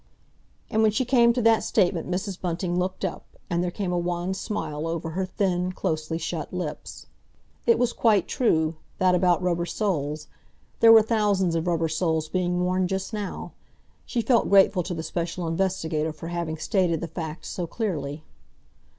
... And when she came to that statement Mrs. Bunting looked up, and there came a wan smile over her thin, closely shut lips. It was quite true—that about rubber soles; there were thousands of rubber soles being worn just now. She felt grateful to the Special Investigator for having stated the fact so clearly.